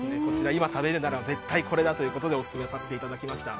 今、食べるなら絶対これだということでオススメさせていただきました。